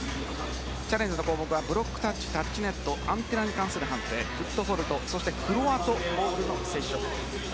チャレンジの項目はブロックタッチタッチネットアンテナに関する判定そしてフロアとボールの接触。